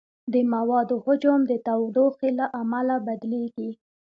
د موادو حجم د تودوخې له امله بدلېږي.